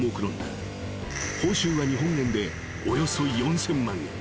［報酬は日本円でおよそ４，０００万円］